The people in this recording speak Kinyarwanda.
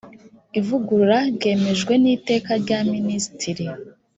ivugurura ryemejwe n’iteka rya minisitiri